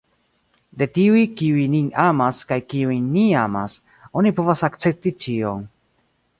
De tiuj, kiuj nin amas kaj kiujn ni amas, oni povas akcepti ĉion.